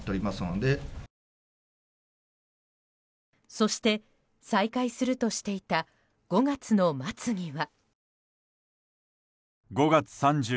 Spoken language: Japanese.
そして、再開するとしていた５月の末には。